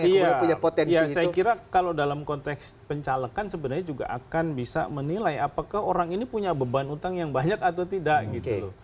iya saya kira kalau dalam konteks pencalekan sebenarnya juga akan bisa menilai apakah orang ini punya beban utang yang banyak atau tidak gitu loh